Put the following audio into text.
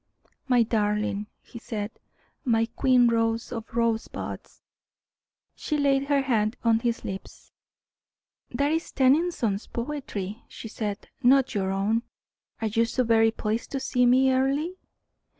"My darling," he said; "my queen rose of the rosebuds." She laid her hand on his lips. "That is Tennyson's poetry," she said, "not your own. Are you so very pleased to see me, Earle?"